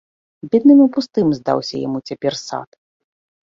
Бедным і пустым здаўся яму цяпер сад.